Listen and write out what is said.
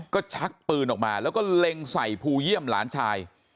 ก็ชักปืนออกมาแล้วก็เล็งใส่ภูเยี่ยมหลานชาย